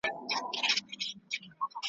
خاطرې په یاد لیکلی دی `